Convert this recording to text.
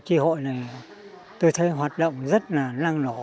trị hội này tôi thấy hoạt động rất là năng lộ